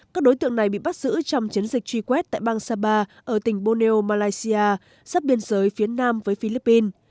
các đối tượng này bị bắt giữ trong chiến dịch truy quét tại bang saba ở tỉnh borneo malaysia sắp biên giới phía nam với philippines